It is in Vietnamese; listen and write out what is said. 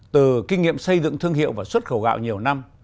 từ kinh nghiệm xây dựng thương hiệu và xuất khẩu gạo nhiều năm